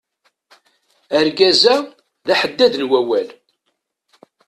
Argaz-a, d aḥeddad n wawal.